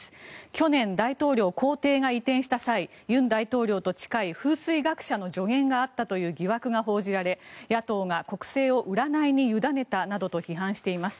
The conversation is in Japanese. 去年、大統領公邸が移転した際尹大統領と近い風水学者の助言があったという疑惑が報じられ野党が国政を占いに委ねたなどと批判しています。